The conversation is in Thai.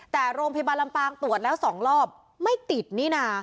แต่โรงพยาบาลลำปางตรวจแล้ว๒รอบไม่ติดนี่นะ